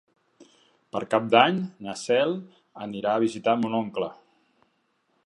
Per Cap d'Any na Cel anirà a visitar mon oncle.